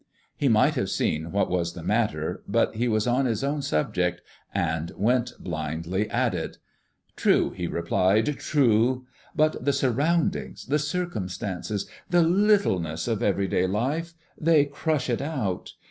He might have seen what was the matter, but he was on his own subject, and went blindly at it. "True," he replied, "true. But the surroundings, the circumstances, the littleness of everyday life they crush it out.